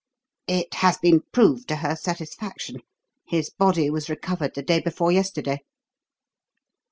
"It has been proved to her satisfaction. His body was recovered the day before yesterday."